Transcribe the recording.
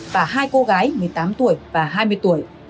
và hai cô gái một mươi tám tuổi và hai mươi tuổi